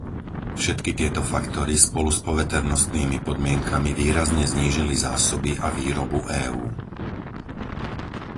Všetky tieto faktory spolu s poveternostnými podmienkami výrazne znížili zásoby a výrobu EÚ.